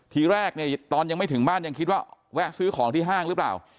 ทีแรกเนี่ยตอนยังไม่ถึงบ้านยังคิดว่าแวะซื้อของที่ห้างหรือเปล่า